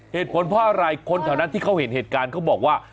เหตุผลเพราะอะไรคนแถวนั้นที่เขาเห็นเหตุการณ์เขาบอกว่า